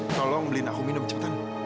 tolong beliin aku minum cepetan